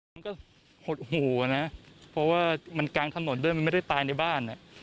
มันก็หดหูอ่ะนะเพราะว่ามันกลางถนนด้วยมันไม่ได้ตายในบ้าน